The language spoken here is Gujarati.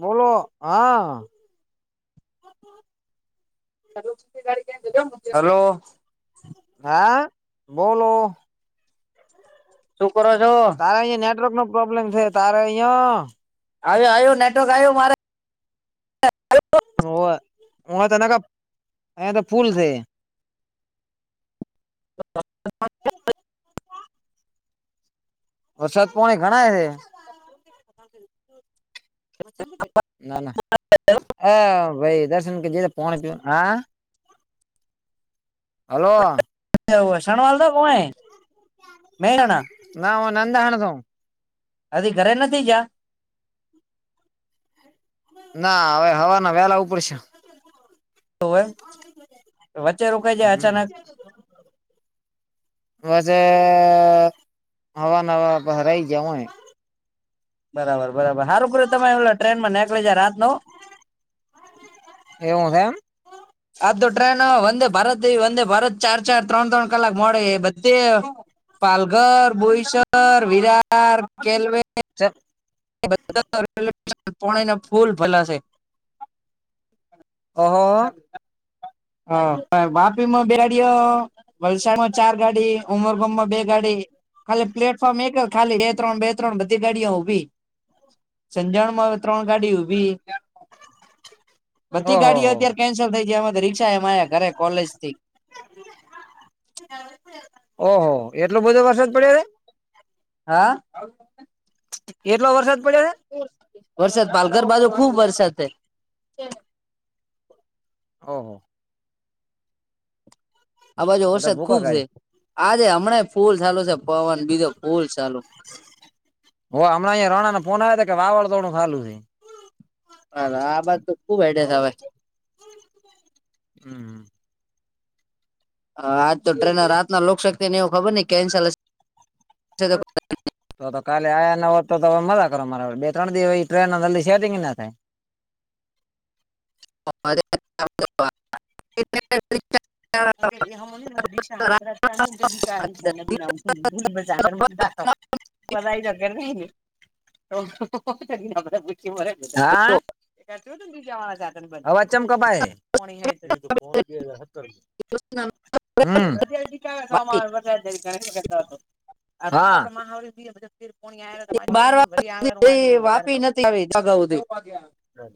બોલો હા. હલો હા બોલો. શું કરો છો. તારે અહીંયા નેટવર્કનો પ્રોબ્લેમ છે તારે અહિયાં આયો આયો નેટવર્ક આયો મારે. [unintelligible] અહ્યા તો ફૂલ છે [inaudible] [inaudible] વરસાદ પોણી ઘણાંય હે ના ના અ ભાઈ દર્શન કે જે પોણી પીવા હા હલો એવ શણવાલતા કોયે [unintelligible] અધી ઘરે નથી ગ્યા ના અવે હવારના વેલા ઉપડીશુ તો એમ વચ્ચે રોકાઈ જાય અચાનક [inaudible] બસે હવા નવારા બહરાઈ ગયા હોય બરાબર બરાબર હારું કયુઁ તમે એ ટ્રેન માં નેકળી જા રાત નો એવું છે એમ આદ તો ટ્ર્રેન વંદે ભારત વંદે ભારત ચાર ચાર ત્રણ ત્રણ કલાક મોડે બતે પાલઘર બોઈસર વિરાર કેલવે ચ [unintelligible] પોનેના ફૂલ ભરેલાશે ઓ હો હો હા અયા વાપીમાં બેહાડીયો વલસાડમાં ચાર ગાડી ઉમરગામમાં બે ગાડી ખાલી પ્લેટફોર્મ એક ખાલી બે ત્રણ બે ત્રણ બધી ગાડીઓ ઊભી. સંજાણમાં અવે ત્રણ ગાડી ઉભી. બધી ઓહો ગાડીઓ અત્યારે કેન્સલ થઇ જાય એમાં તો રિક્ષા એમાય ઘરે કોલેજથી ઓહોહો એટલો બધો વરસાદ પડ્યો કે હા કેટલો વરસાદ પડ્યો હે? વરસાદ પાલઘર બાજુ ખુબ વરસાદ થાય. ઓહો. આ બાજુ તો તો વરસાદ ભૂકા ખુબ કાઢે છે આજે હમણાં ફૂલ ચાલુ છે પવન બીજો ફૂલ ચાલુ. ઓ હમણાં અહિયાં રણા ન ફોન આવ ત કે વાવળ દોડું ફાલું છે. હ આ બાત તો ખુબ હેડે હવે. હમ હમ. હ આજ તો ટ્રેન રાત ના લોકશકતીને એવું ખબર નહી કેન્સલ હશે. તો તો કાલે આવ્યા ન હોત તો તમે મજા કરો મારા બે ત્રણ દિવસ ટ્રેન ના જલ્દી સેટિંગ ના થાય. [unintelligible] અગ હમ દશામ દીા દિશાના બીૂલ દાખવ [unintelligible] પતા લગરને પ [unintelligible] હ અવાજ કેમ કપાય. એ તો ફોન હતી હત [inaudible] એ ના [unintelligible] યારે આવે [unintelligible] નીર પોયયાય બાર વાગ સુધી વાપી નથી આવી. હમ.